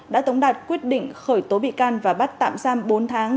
đã tống đạt quyết định khởi tố bị can và bắt tạm giam bốn tháng